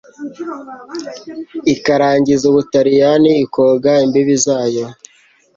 ikarangiza Ubutaliyani ikoga imbibi zayo